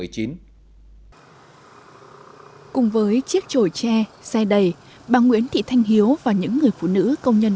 cùng với chiếc trồi tre xe đầy bà nguyễn thị thanh hiếu và những người phụ nữ công nhân